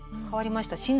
変わりました。